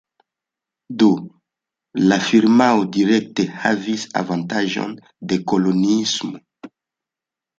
Do la firmao direkte havis avantaĝon de koloniismo.